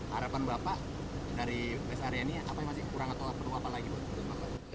harapan bapak dari rest area ini apa yang masih kurang atau perlu apa lagi pak